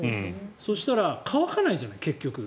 そしたら、乾かないじゃない結局。